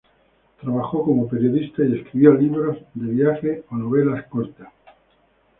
Trabajó como periodista y escribió libros de viajes o novelas cortas.